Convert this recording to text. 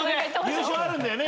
優勝あるんだよね